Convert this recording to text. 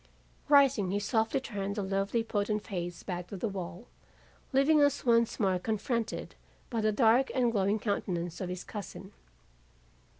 Rising, he softly turned the lovely, potent face back to the wall, leaving us once more confronted by the dark and glowing countenance of his cousin.